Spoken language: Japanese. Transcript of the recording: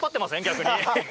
逆に。